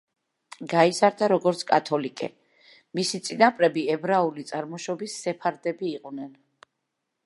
გაიზარდა როგორც კათოლიკე, მისი წინაპრები ებრაული წარმოშობის სეფარდები იყვნენ.